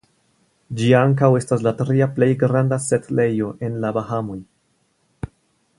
Ĝi ankaŭ estas la tria plej granda setlejo en la Bahamoj.